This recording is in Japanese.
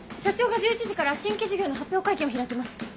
社長が１１時から新規事業の発表会見を開きます。